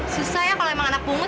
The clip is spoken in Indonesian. susah ya kalau emang anak bungut